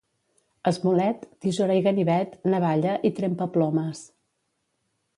Esmolet, tisora i ganivet, navalla i trempaplomes.